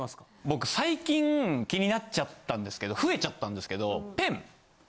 僕最近気になっちゃったんですけど増えちゃったんですけどペン。